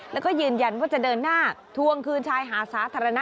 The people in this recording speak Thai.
แล้วก็ยืนยันว่าจะเดินหน้าทวงคืนชายหาดสาธารณะ